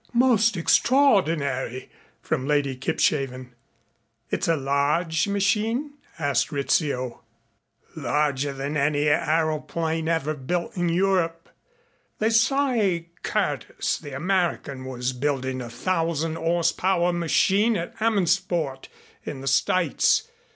"Most extraordinary!" from Lady Kipshaven. "It's a large machine?" asked Rizzio. "Larger than any aëroplane ever built in Europe. They say Curtis, the American, was building a thousand horsepower machine at Hammondsport in the States.